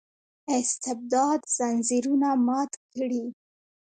استبداد ځنځیرونه مات کړي.